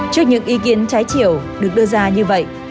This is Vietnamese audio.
trước những ý kiến trái chiều được đưa ra như vậy